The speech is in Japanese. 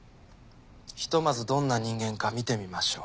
ひとまずどんな人間か見てみましょう。